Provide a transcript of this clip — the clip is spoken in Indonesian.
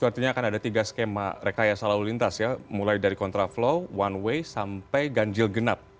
artinya akan ada tiga skema rekayasa lalu lintas ya mulai dari kontraflow one way sampai ganjil genap